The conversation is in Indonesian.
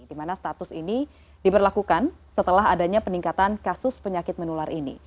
di mana status ini diberlakukan setelah adanya peningkatan kasus penyakit menular ini